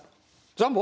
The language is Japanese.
ジャンボ？